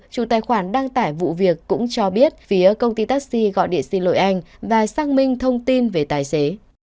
chủ tài khoản đăng tải vụ việc cũng cho biết phía công ty taxi gọi điện xin lỗi anh và xác minh thông tin về tài xế